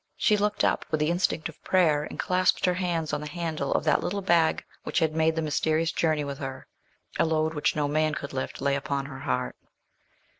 She looked up with the instinct of prayer, and clasped her hands on the handle of that little bag which had made the mysterious journey with her; a load which no man could lift lay upon her heart.